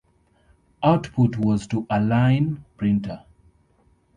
Output was to a line printer.